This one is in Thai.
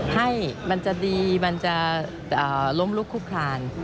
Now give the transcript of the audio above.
ให้มันจะดีมันจะล้มลุกคุกคลาน